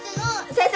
先生